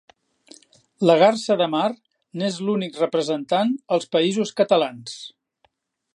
La garsa de mar n'és l'únic representant als Països Catalans.